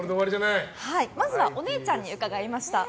まずはお姉ちゃんに伺いました。